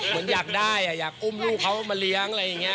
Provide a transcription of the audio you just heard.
เหมือนอยากได้อยากอุ้มลูกเขามาเลี้ยงอะไรอย่างนี้